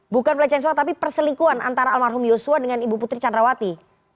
bukan pelecehan sek tapi perselingkuhan antara almarhum yosua dengan ibu putri candrawati